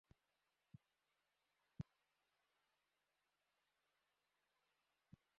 কিছুসংখ্যক গণমাধ্যম সড়ক-মহাসড়কের তিন বছরের পুরোনো ছবি প্রকাশ করছে বলে তিনি অভিযোগ করেন।